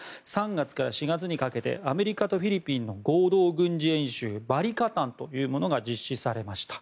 ３月から４月にかけてアメリカとフィリピンの合同軍事演習バリカタンというのが実施されました。